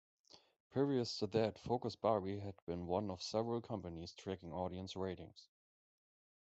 Previous to that, Focus Bari had been one of several companies tracking audience ratings.